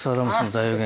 大予言？